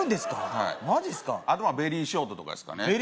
はいあとはベリーショートとかですかねマジですか？